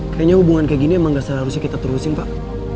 kayaknya hubungan kayak gini emang gak seharusnya kita terusin pak